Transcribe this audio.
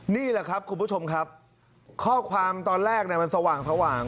นี่แหละครับคุณผู้ชมครับข้อความตอนแรกมันสว่าง